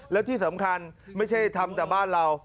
และที่สำคัญไม่ใช่ทำแต่บ้านเรา